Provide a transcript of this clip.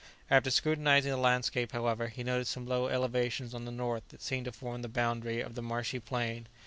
] After scrutinizing the landscape, however, he noticed some low elevations on the north that seemed to form the boundary of the marshy plain.